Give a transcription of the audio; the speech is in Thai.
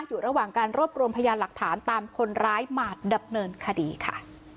อยู่ระหว่างการรวบรวมพยานหลักฐานตามคนร้ายมาดำเนินคดีค่ะ